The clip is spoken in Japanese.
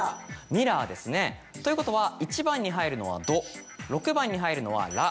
ミラーですねということは１番に入るのは「ど」６番に入るのは「ら」。